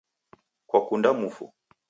Kwakunda mufu?